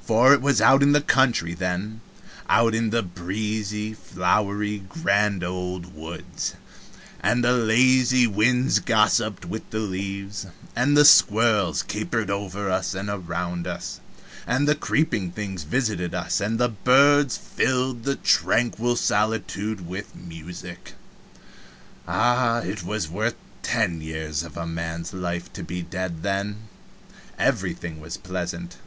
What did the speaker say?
For it was out in the country then out in the breezy, flowery, grand old woods, and the lazy winds gossiped with the leaves, and the squirrels capered over us and around us, and the creeping things visited us, and the birds filled the tranquil solitude with music. Ah, it was worth ten years of a man's life to be dead then! Everything was pleasant.